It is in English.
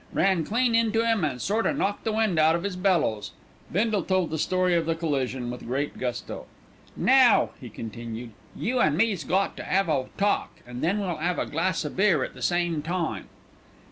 Ran clean into 'im and sort o' knocked the wind out of 'is bellows." Bindle told the story of the collision with great gusto. "Now," he continued, "you and me's got to 'ave a talk, an' we'll 'ave a glass of beer at the same time."